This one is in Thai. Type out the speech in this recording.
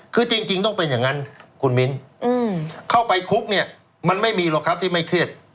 คือจริงต้องเป็นอย่างนั้นคุณมิ้นเข้าไปคุกเนี่ยมันไม่มีหรอกครับที่ไม่เครียด